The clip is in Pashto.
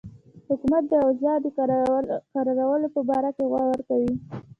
حکومت د اوضاع د کرارولو په باره کې غور کوي.